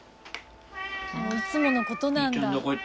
いつもの事なんだ。